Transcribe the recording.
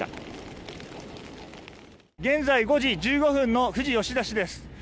現在５時１５分の富士吉田市です。